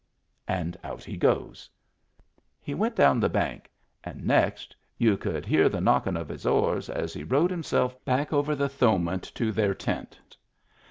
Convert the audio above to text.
And out he goes. He went down the bank, and next y'u could hear the knockin' of his oars, as he rowed himself back over the Thowmet to their tent.